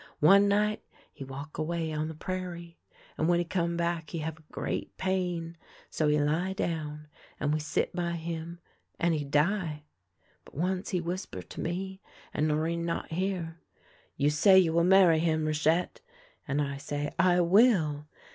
One night he walk away on the prairie, and when he come back he have a great pain. So he lie down, and we sit by him, an' he die. But once he whisper to me, and Norinne not hear: ' You say you will marry him, Rachette ?' and I say, ' I will.'